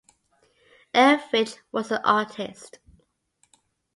Elvidge was an artist.